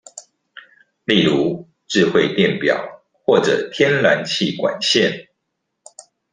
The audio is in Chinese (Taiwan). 例如智慧電錶或者天然氣管線